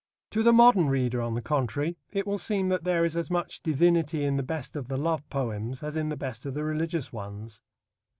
To the modern reader, on the contrary, it will seem that there is as much divinity in the best of the love poems as in the best of the religious ones.